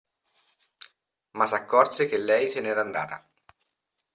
Ma s'accorse che lei se n'era andata.